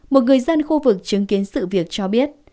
một người dân khu vực chứng kiến sự việc cho biết